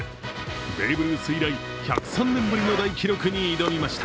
ベーブ・ルース以来１０３年ぶりの大記録に挑みました。